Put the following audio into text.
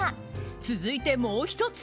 続いて、もう１つ。